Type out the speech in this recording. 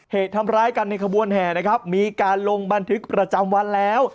เหตุทำร้ายกันในขบวนแห่นะครับมีการลงบันทึกประจำวันแล้ว